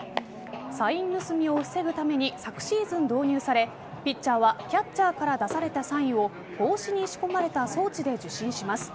サイン盗みを防ぐために昨シーズン導入されピッチャーはキャッチャーから出されたサインを帽子に仕込まれた装置で受信します。